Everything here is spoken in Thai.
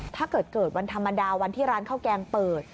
ถ้าเกิดเกิดวันธรรมดาวันที่ร้านข้าวแกงเปิด